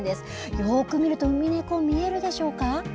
よく見ると、ウミネコ、見えるでしょうか。